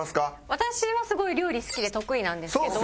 私はすごい料理好きで得意なんですけど。